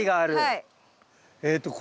はい。